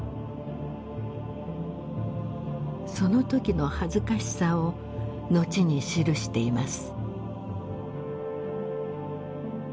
その時の恥ずかしさを後に記しています。